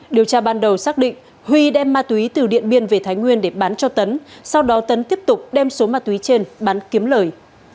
điều tra ban đầu xác định huy đem ma túy từ điện biên về thái nguyên để bán cho tấn sau đó tấn tiếp tục đem số ma túy trên bán kiếm lời